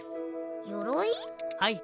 はい。